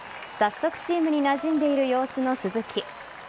早速チームに馴染んでいる様子の鈴木。